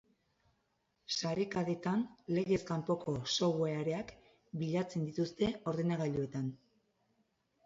Sarekadetan, legez kanpoko softwareak bilatzen dituzte ordenagailuetan.